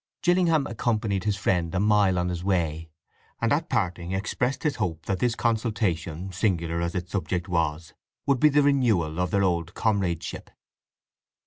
Gillingham accompanied his friend a mile on his way, and at parting expressed his hope that this consultation, singular as its subject was, would be the renewal of their old comradeship.